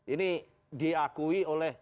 ini diakui oleh